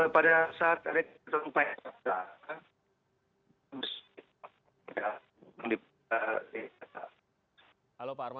pada saat ada tumpukan uang kertas